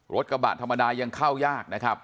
รถกระบะธรรมดายังเข้ายากนะครับ